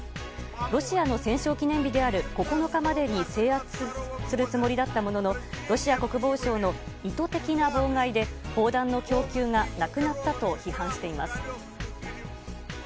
ロシアの戦勝記念日である９日までに制圧するつもりだったもののロシア国防省の意図的な妨害で砲弾の供給がなくなったと批判しています。